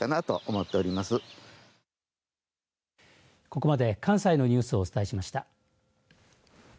ここまで関西のニュースをお伝えしました。